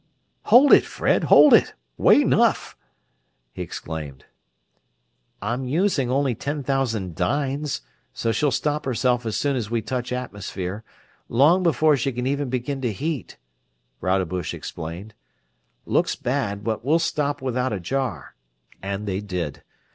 "Hold it, Fred, hold it! Way 'nuff!" he exclaimed. "I'm using only ten thousand dynes, so she'll stop herself as soon as we touch atmosphere, long before she can even begin to heat," Rodebush explained. "Looks bad, but we'll stop without a jar." And they did.